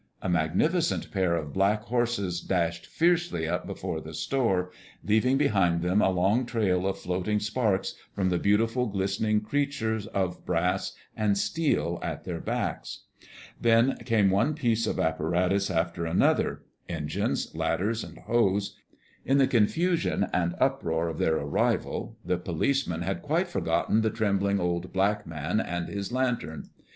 A magnificent pair of black horses dashed fiercely up before the store, leaving behind them a long trail of floating sparks from the beautiful, glistening creature of brass and steel at their backs. Then came one piece of apparatus after another, engines, ladders and hose. In the confusion and uproar of their arrival, the policeman had quite forgotten the trembling old black man and his lantern.